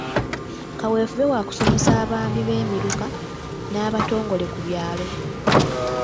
Kaweefube wa kusomesa abaami b'emiruka n'abatongole ku byalo.